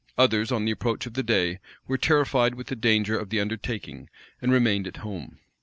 Others, on the approach of the day, were terrified with the danger of the undertaking, and remained at home.